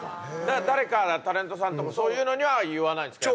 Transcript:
誰かタレントさんとかそういうのには言わないんすか？